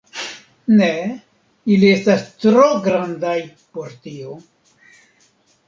Ne, ili estas tro grandaj por tio